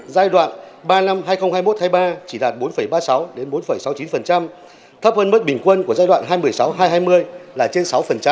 giai đoạn ba năm hai nghìn hai mươi một hai nghìn ba chỉ đạt bốn ba mươi sáu bốn sáu mươi chín thấp hơn mức bình quân của giai đoạn hai nghìn một mươi sáu hai nghìn hai mươi là trên sáu